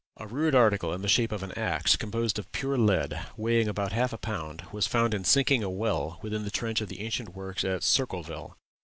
A rude article in the shape of an axe, composed of pure lead, weighing about half a pound, was found in sinking a well within the trench of the ancient works at Circleville.